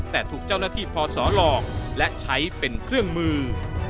แต่ถูกเจ้าหน้าที่พศหลอกและใช้เป็นเครื่องมือ